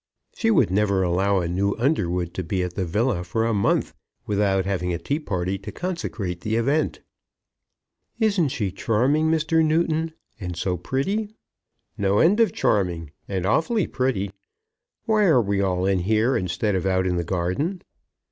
She would never allow a new Underwood to be at the villa for a month without having a tea party to consecrate the event." "Isn't she charming, Mr. Newton; and so pretty?" "No end of charming, and awfully pretty. Why are we all in here instead of out in the garden?"